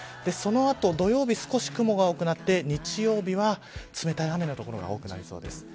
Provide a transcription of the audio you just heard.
そのあと土曜日少し雲が多くなって日曜日は冷たい雨の所が多くなりそうです。